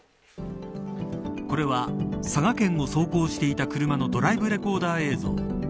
これは佐賀県を走行していた車のドライブレコーダーの映像。